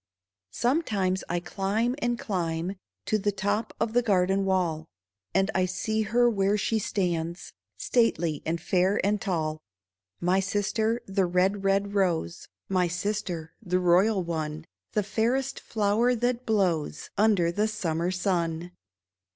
Sometimes I climb and climb To the top of the garden wall. And I see her where she stands. Stately and fair and tall — DISCONTENT My sister, the red, red Rose, My sister, the royal one, The fairest flower that blows Under the summer sun